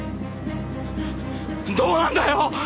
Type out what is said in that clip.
どうなんだよ！